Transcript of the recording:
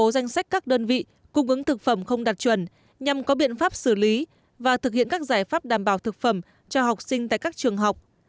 danh sách các đơn vị cung ứng thực phẩm không đạt chuẩn nhằm có biện pháp xử lý và thực hiện các giải pháp đảm bảo thực phẩm cho học sinh tại các trường học